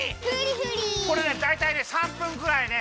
これねだいたいね３分ぐらいね